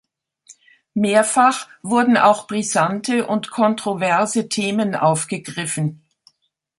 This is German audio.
Mehrfach wurden auch brisante und kontroverse Themen aufgegriffen.